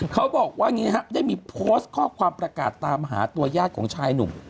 เขาบอกว่าอย่างนี้ครับได้มีโพสต์ข้อความประกาศตามหาตัวญาติของชายหนุ่ม